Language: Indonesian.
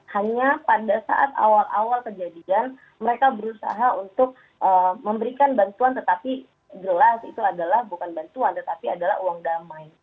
hanya pada saat awal awal kejadian mereka berusaha untuk memberikan bantuan tetapi jelas itu adalah bukan bantuan tetapi adalah uang damai